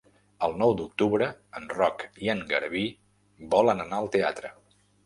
El nou d'octubre en Roc i en Garbí volen anar al teatre.